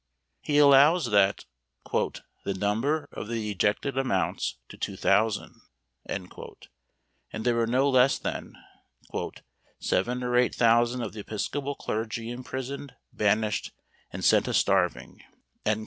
He allows that "the number of the ejected amounts to two thousand," and there were no less than "seven or eight thousand of the episcopal clergy imprisoned, banished, and sent a starving," &c.